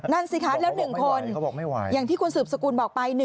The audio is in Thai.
นั่นสิคะแล้ว๑คนอย่างที่คุณสืบสกุลบอกไป